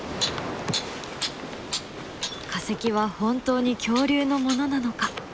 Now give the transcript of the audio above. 化石は本当に恐竜のものなのか？